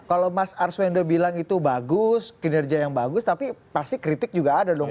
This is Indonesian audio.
kalau mas arswendo bilang itu bagus kinerja yang bagus tapi pasti kritik juga ada dong